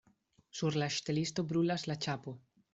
Sur la ŝtelisto brulas la ĉapo.